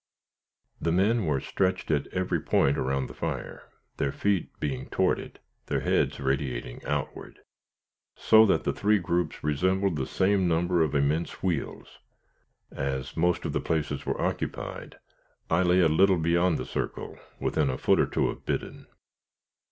The men were stretched at every point around the fire, their feet being toward it, their heads radiating outward, so that the three groups resembled the same number of immense wheels. As most of the places were occupied, I lay a little beyond the circle, within a foot or two of Biddon.